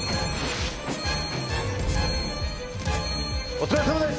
お疲れさまです！